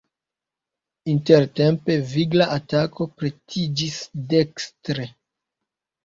Intertempe vigla atako pretiĝis dekstre.